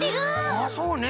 あそうね。